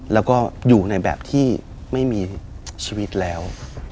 แล้วก็อยู่ในแบบที่ไม่มีชีวิตแล้ว